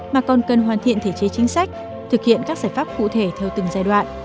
mà còn cần hoàn thiện thể chế chính sách thực hiện các giải pháp cụ thể theo từng giai đoạn